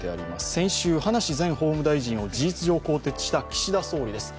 先週、葉梨前法務大臣を事実上更迭した岸田総理です。